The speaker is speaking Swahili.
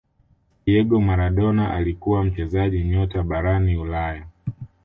Diego Maradona alikuwa mchezaji nyota barani ulaya